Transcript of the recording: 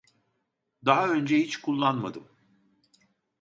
Daha önce hiç kullanmadım